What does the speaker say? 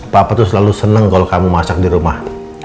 papa tuh selalu seneng kalo kamu masak di rumah